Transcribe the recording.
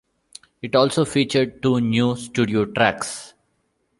It also featured two new studio tracks.